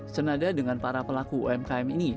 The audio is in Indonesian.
senada dengan para pelaku umkm ini